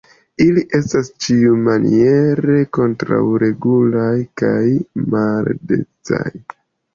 Ili estas, ĉiumaniere, kontraŭregulaj kaj maldecaj.